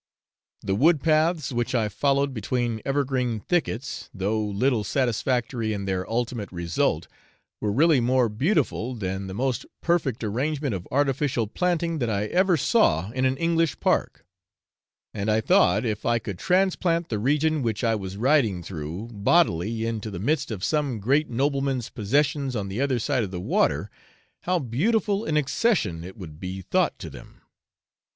The wood paths which I followed between evergreen thickets, though little satisfactory in their ultimate result, were really more beautiful than the most perfect arrangement of artificial planting that I ever saw in an English park; and I thought if I could transplant the region which I was riding through bodily into the midst of some great nobleman's possessions on the other side of the water, how beautiful an accession it would be thought to them.